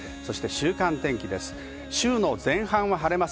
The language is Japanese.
週間天気です。